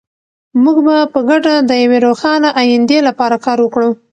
موږ به په ګډه د یوې روښانه ایندې لپاره کار وکړو.